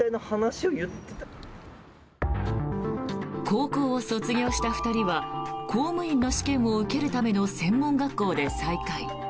高校を卒業した２人は公務員の試験を受けるための専門学校で再会。